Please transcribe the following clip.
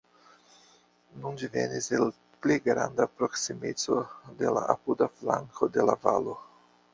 Nun ĝi venis el pli granda proksimeco de la apuda flanko de la valo.